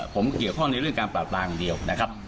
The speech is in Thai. ผมเกี่ยวข้องในเรื่องการปราบปรามอย่างเดียวนะครับ